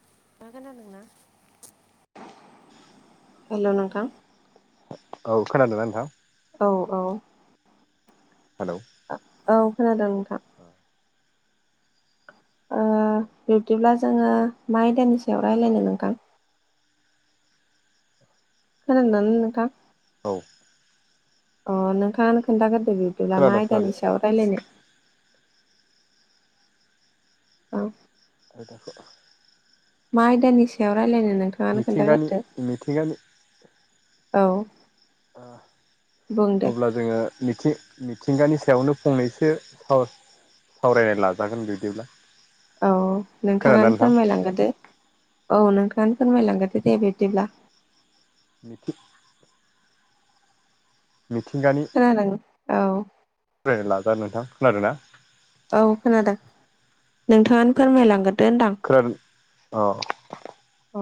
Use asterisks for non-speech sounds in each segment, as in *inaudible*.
नों थाङा खोनादोंना? हेल' नोंथां औ खोनादोंना नोंथां। औ औ हेलौ औ खोनादों नोंथां। ओ बिब्दिब्ला जोङो मा आयदानि सायाव रायज्लायनो नोंथां। खोनादों ना नोंथां। औ अ नोंथाङानो खोन्थाग्रोदो बिब्दिब्ला मा खोनादों खोनादों आयदानि सायाव रायलायनो। औ औ नंगौ। मा आयदानि सायाव राय रलायनो नोंथाङानो मिथिंगानि खोन्थाग्रोदो मिथिंगानि औ। बुं दे अब्ला जोङो निथिं मिथिंगानि सायावनो फंनैसो सावरायनाय लाजागोन बिदिब्ला औ खोनादोंना नोंथाङानो नोंथां फोरमायलांगो दे। औ नोंथानो फोरमायलांग्रदो दे बिबदिब्ला। *inaudible* मिथिंगानि खोनादों औ लाजा नोंथां खोनादों ना औ खोनादों नोंथाङानो फोरमायलांगोन दो होनदां खोनादों अ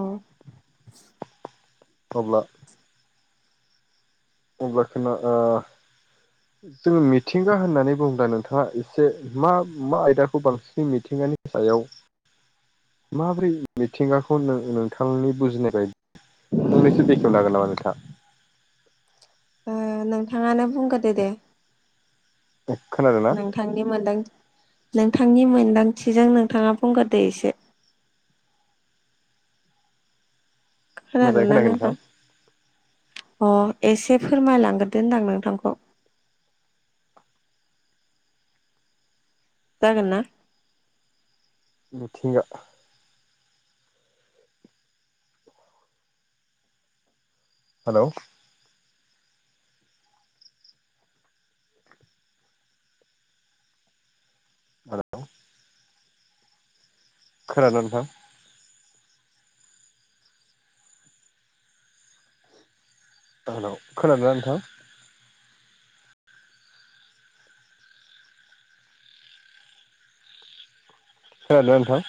अह अब्ला *unintelligible* ओ जोङो मिथिंगा होननानै बुंङोब्ला नोंथाङा एसे मा मा आयदाखौ बांसिनै मिथिंयो बिनि सायाव *inaudible* माब्रै मिथिंगाखौ नोंथांनि बुजिनाय बायदि फंनैसो बेखेवनो हागोन नामा नोंथाङा ओ नोंथाङानो बुंग्रोदो दे खोनादों ना नोंथांनि मोनदां नोंथांनि मोनदांथिजों नों नोंथांङा बुंगोरदो एसे मोजाङै खोनादोंना खोनायाखै नोंथां अह एसे फोरमायलांगोरदो होनदां नोंथांखौ। जागोनना मिथिंगा हेलौ हेलौ खोनादोंना नोंथां हेलौ खोनादों ना नोंथां? खोनादोंना नोंथां